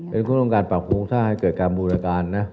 เป็นคุณต้องการปรับโครงสร้างให้เกิดการบูรการนะ